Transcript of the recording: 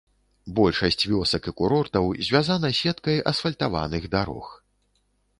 Большасць вёсак і курортаў звязана сеткай асфальтаваных дарог.